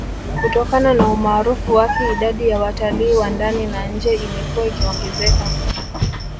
Kutokana na umaarufu wake idadi ya watalii wa ndani na nje imekuwa ikiongezeka